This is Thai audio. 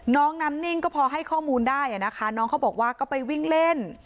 น้องน้ำนิ่งก็พอให้ข้อมูลได้นะคะน้องเขาบอกว่าก็ไปวิ่งเล่น